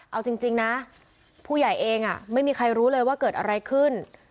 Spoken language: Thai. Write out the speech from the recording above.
เอาจริงนะผู้ใหญ่เองไม่มีใครรู้เลยว่าเกิดอะไรขึ้น